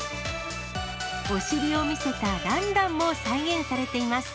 お尻を見せたランランも再現されています。